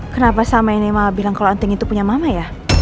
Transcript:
kenapa sama yang nema bilang kalau anting itu punya mama ya